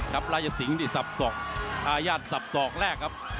กับรถยะสิงที่ทรัพย์ดทรัพย์๑ครับ